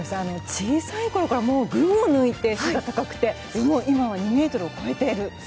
小さいころから群を抜いて背が高くて今は２ｍを超えている。